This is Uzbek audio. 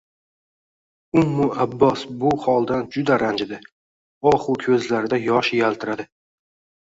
Ummu Abbos bu holdan juda ranjidi, ohu ko`zlarida yosh yaltiradi